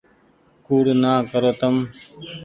ڪوڙ نآ ڪرو تم ۔